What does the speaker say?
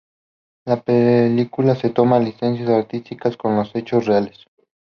La película se toma licencias artísticas con los hechos reales.